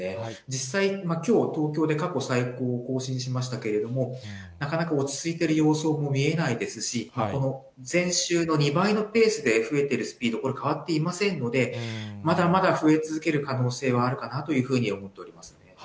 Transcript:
実際、きょう、東京で過去最高を更新しましたけれども、なかなか落ち着いている様相も見えないですし、前週の２倍のペースで増えているスピード、これ、変わっていませんので、まだまだ増え続ける可能性はあるかなというふうに思っております。